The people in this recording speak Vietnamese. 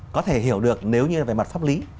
có thể hiểu được nếu như về mặt pháp lý